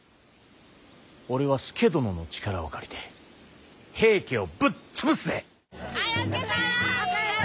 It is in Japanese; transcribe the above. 俺は佐殿の力を借りて平家をぶっ潰すぜ。